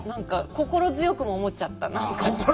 「心強くも思っちゃった」ね。